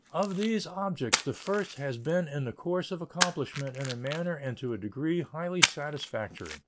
Of these objects the first has been in the course of accomplishment in a manner and to a degree highly satisfactory.